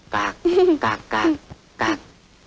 cạc cạc cạc